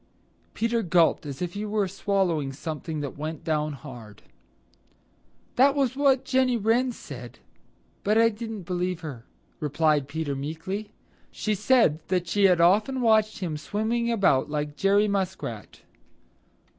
Peter gulped as if he were swallowing something that went down hard. "That is what Jenny Wren said, but I didn't believe her," replied Peter meekly. "She said she had often watched him swimming about like Jerry Muskrat."